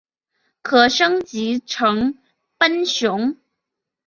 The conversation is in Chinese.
可升级成奔熊。